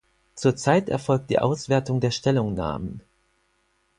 Zur Zeit erfolgt die Auswertung der Stellungnahmen.